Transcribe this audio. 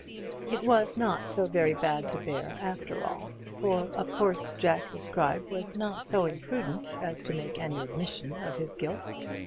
It was not so very bad to bear, after all; for of course Jack the Scribe was not so imprudent as to make any admission of his guilt.